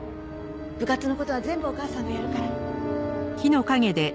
部活の事は全部お母さんがやるから。